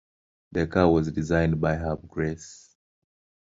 The car was designed by Herb Grasse.